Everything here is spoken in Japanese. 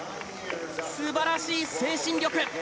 素晴らしい精神力。